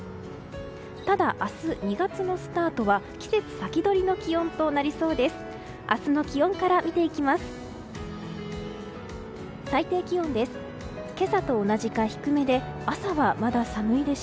ただ、明日、２月のスタートは季節先取りの気温となりそうです。